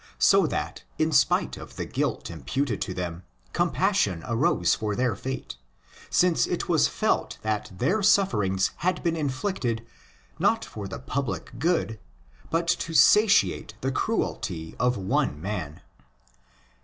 THE PREPARATION FOR THE GOSPEL 23 so that, in spite of the guilt imputed to them, com passion arose for their fate; since it was felt that their sufferings had been inflicted not for the public good, but to satiate the cruelty of one man.